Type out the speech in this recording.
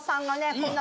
こんな